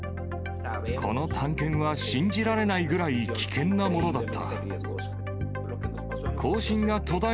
この探検は信じられないぐらい危険なものだった。